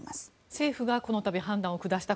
政府がこのたび判断を下した。